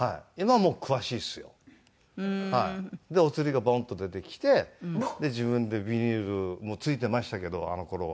でおつりがボンッと出てきて自分でビニールついてましたけどあの頃は。